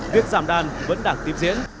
việc giảm đàn vẫn đang tiếp diễn